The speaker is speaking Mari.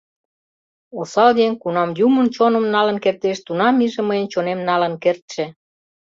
Осал еҥ кунам Юмын чоным налын кертеш, тунам иже мыйын чонем налын кертше.